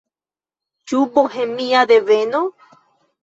Ĉu bohemia deveno?